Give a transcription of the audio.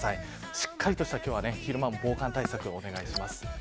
しっかりとした昼間も防寒対策をお願いします。